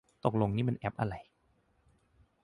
ตกลงนี่มันแอปอะไร